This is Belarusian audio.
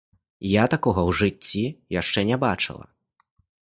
Я такога ў жыцці яшчэ не бачыла!